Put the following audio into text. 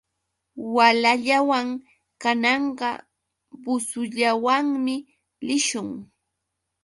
Walallawan kananqa busullawanmi lishun.